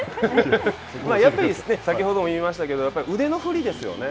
やっぱりね、先ほども言いましたけど、腕の振りですよね。